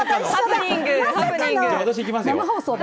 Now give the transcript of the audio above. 私、いきますよ。